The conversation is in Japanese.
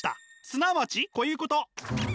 すなわちこういうこと。